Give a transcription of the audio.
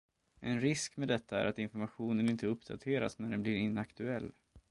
En risk med detta är att informationen inte uppdateras när den blir inaktuell.